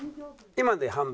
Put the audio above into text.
今ので半分？